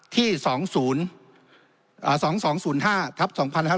ที่๒๒๐๕ทับ๒๕๖๔